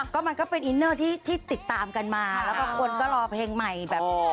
ก็มันก็เป็นอินเนอร์ที่ติดตามกันมาแล้วก็คนก็รอเพลงใหม่แบบ